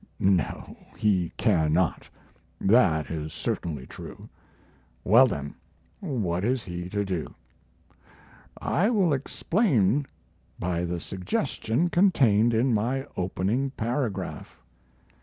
No, he cannot; that is certainly true. Well, then, what is he to do? I will explain by the suggestion contained in my opening paragraph.